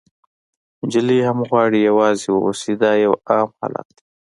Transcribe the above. نجلۍ هم غواړي یوازې واوسي، دا یو عام حالت دی.